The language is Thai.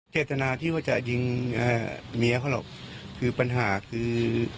เจตนาที่ว่าจะยิงเมียเขาหรอกคือปัญหาคือ